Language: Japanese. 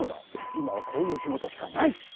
今はこういう仕事しかない！